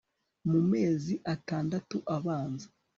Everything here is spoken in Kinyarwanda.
mu mezi atandatu abanza